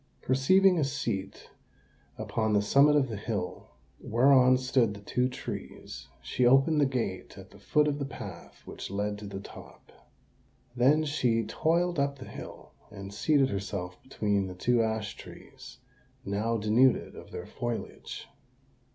Perceiving a seat upon the summit of the hill, whereon stood the two trees, she opened the gate at the foot of the path which led to the top. Then she toiled up the hill, and seated herself between the two ash trees—now denuded of their foliage.